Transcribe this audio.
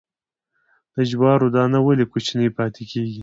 د جوارو دانه ولې کوچنۍ پاتې کیږي؟